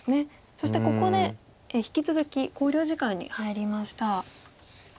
そしてここで引き続き考慮時間に入りました。